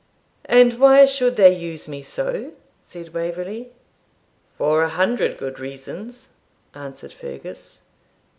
'And why should they use me so?' said Waverley. 'For a hundred good reasons,' answered Fergus.